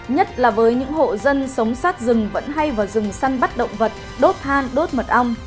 nhất là với những hộ dân sống sát rừng vẫn hay vào rừng săn bắt động vật đốt than đốt mật ong